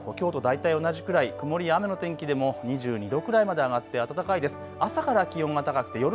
また予想最高気温、見てみますときょうと大体同じくらい、曇りや雨の天気でも２２度くらいまで上がって暖かいです。